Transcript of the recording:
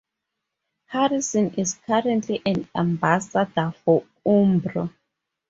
Harrison is currently an ambassador for Umbro.